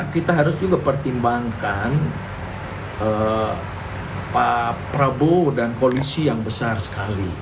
kita harus juga pertimbangkan pak prabowo dan koalisi yang besar sekali